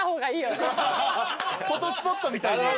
フォトスポットみたいに。